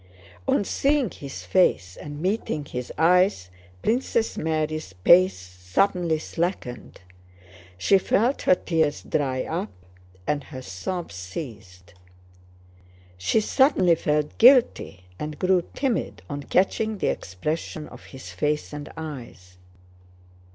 On seeing his face and meeting his eyes Princess Mary's pace suddenly slackened, she felt her tears dry up and her sobs ceased. She suddenly felt guilty and grew timid on catching the expression of his face and eyes.